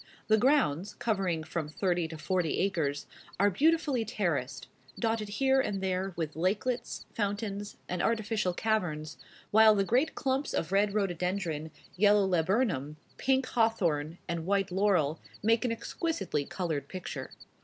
The grounds, covering from thirty to forty acres, are beautifully terraced, dotted here and there with lakelets, fountains, and artificial caverns, while the great clumps of red rhododendron, yellow laburnum, pink hawthorne, and white laurel make an exquisitely colored picture.